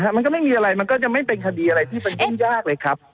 มันก็ไม่มีอะไรมันก็จะไม่เป็นคดีอะไรที่มันยุ่งยากเลยครับ